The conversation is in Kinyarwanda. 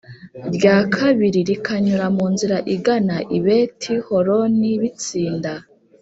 rya kabiri rikanyura mu nzira igana i Beti Horoni b itsinda